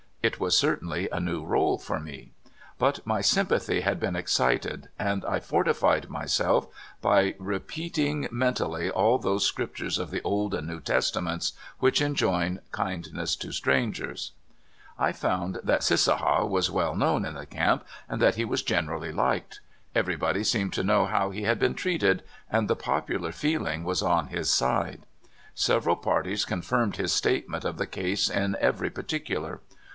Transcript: It was certainly a new role for me. But my sympathy had been ex cited, and I fortified myself by repeating mentally all those scriptures of the Old and New Testa ments which enjoin kindness to strangers. I found that Cissaha was well known in the camp, and that he was generally liked. Every body seemed to know how he had been treated, and the popular feeling was on his side. Several CISSAHA. 15 parties confirmed his statement of the case in every particuhir.